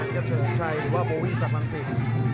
ครับเฉลิมชัยหรือว่าโบวี่สักรังสิน